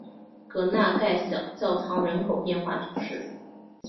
戈纳盖小教堂人口变化图示